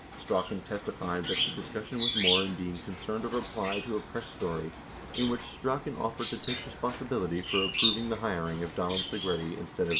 53 Strachan testified that the discussion with Moore and Dean concerned a reply to a press story in which Strachan offered to take responsibility for approving the hiring of Donald Segretti instead of Mr. Haldeman.